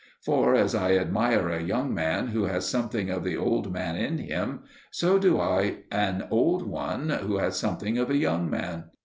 For as I admire a young man who has something of the old man in him, so do I an old one who has something of a young man.